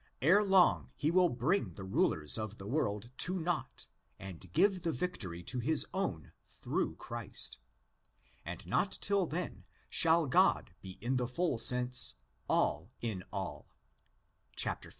Ere long he will bring the rulers of the world to nought and give the victory to his own through Christ; and not till then shall God be in the full sense "' all in all'' (xv.